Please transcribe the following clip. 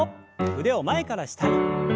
腕を前から下に。